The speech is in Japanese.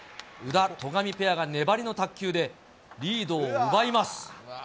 宇田・戸上ペアが粘りの卓球で、リードを奪います。